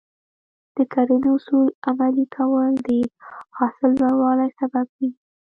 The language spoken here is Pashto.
د کرنې اصول عملي کول د حاصل لوړوالي سبب کېږي.